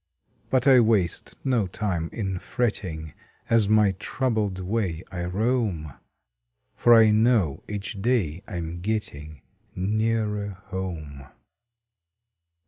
But I waste no time in fretting As my troubled way I roam, For I know each day I m getting Nearer home!